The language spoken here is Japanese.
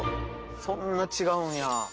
そんな違うんや。